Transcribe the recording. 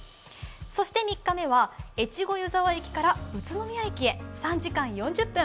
そして３日目は越後湯沢駅から宇都宮駅へ３時間４０分。